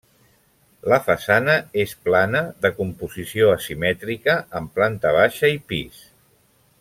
La façana és plana de composició asimètrica, amb planta baixa i pis.